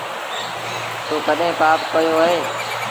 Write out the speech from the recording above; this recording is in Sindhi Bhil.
تو ڪڏهيݩ پآپ ڪيو اهي۔